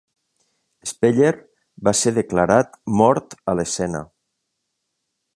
Speller va ser declarat mort a l'escena.